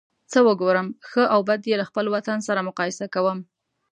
څه وګورم ښه او بد یې له خپل وطن سره مقایسه کوم.